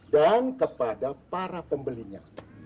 dan kepada para pembelinya